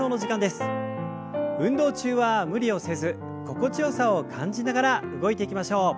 運動中は無理をせず心地よさを感じながら動いていきましょう。